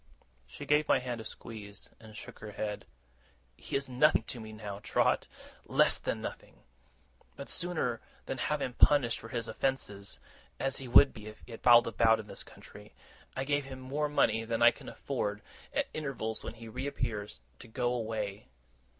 She gave my hand a squeeze, and shook her head. 'He is nothing to me now, Trot less than nothing. But, sooner than have him punished for his offences (as he would be if he prowled about in this country), I give him more money than I can afford, at intervals when he reappears, to go away.